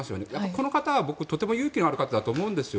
この方は僕とても勇気のある方だと思うんですよ。